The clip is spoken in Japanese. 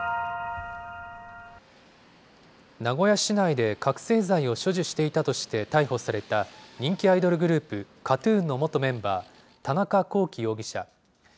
名古屋市内で覚醒剤を所持していたとして逮捕された、人気アイドルグループ、ＫＡＴ−ＴＵＮの元メンバー、田中聖容疑者。